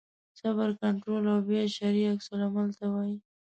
صبر کنټرول او بیا شرعي عکس العمل ته وایي.